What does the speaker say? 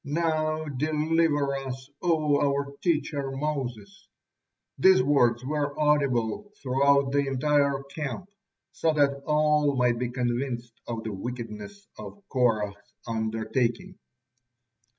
Now deliver us, O our teacher Moses!" These words were audible throughout the entire camp, so that all might be convinced of the wickedness of Korah's undertaking.